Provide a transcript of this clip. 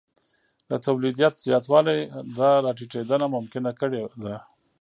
د تولیدیت زیاتوالی دا راټیټېدنه ممکنه کړې ده